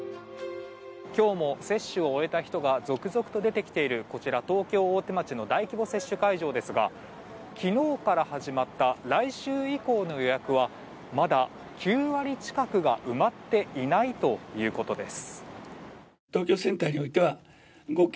今日も接種を終えた人が続々と出てきているこちら、東京・大手町の大規模接種会場ですが昨日から始まった来週以降の予約はまだ９割近くが埋まっていないということです。